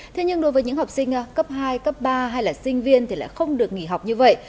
thế nhưng đối với những học sinh cấp hai cấp ba hay là sinh viên thì lại không được nghỉ học như vậy